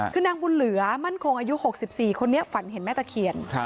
คือนางบุญเหลือมั่นคงอายุ๖๔คนนี้ฝันเห็นแม่ตะเคียน